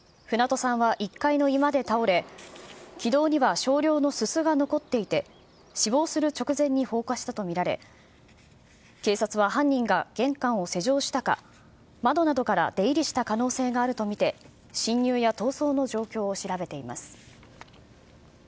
船戸さんは１階の居間で倒れ、気道には少量のすすが残っていて、死亡する直前に放火したと見られ、警察は、犯人が玄関を施錠したか、窓などから出入りした可能性があると見て、侵入や逃走の状況を調べています。